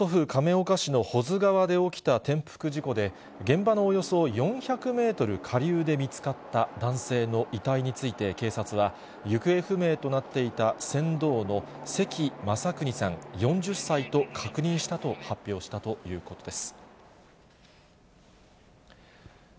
京都府亀岡市の保津川で起きた転覆事故で、現場のおよそ４００メートル下流で見つかった男性の遺体について、警察は、行方不明となっていた船頭の関雅有さん４０歳と確認したと発表したということです。